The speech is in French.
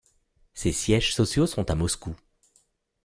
Ses sièges sociaux sont à Moscou.